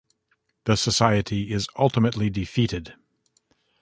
The Society is ultimately defeated.